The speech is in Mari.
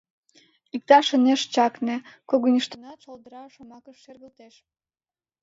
Иктыжат ынеж чакне, когыньыштынат шолдыра шомакышт шергылтеш.